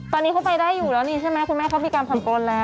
ตอนนี้เขาไปได้อยู่แล้วนี่ใช่ไหมคุณแม่เขามีการผ่อนปลนแล้ว